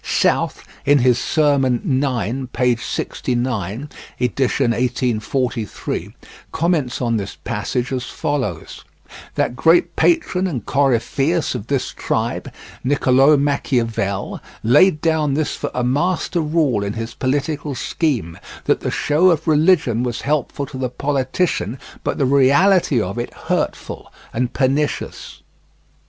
South in his Sermon IX, p. 69, ed. 1843, comments on this passage as follows: "That great patron and Coryphaeus of this tribe, Nicolo Machiavel, laid down this for a master rule in his political scheme: 'That the show of religion was helpful to the politician, but the reality of it hurtful and pernicious.